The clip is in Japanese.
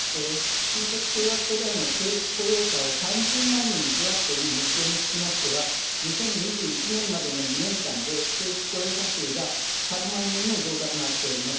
就職氷河期世代の正規雇用者を３０万人増やすという目標につきましては、２０２１年までの２年間で、正規雇用者数が３万人の増加となっております。